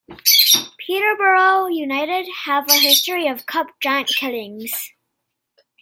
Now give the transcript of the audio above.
Peterborough United have a history of cup giant-killings.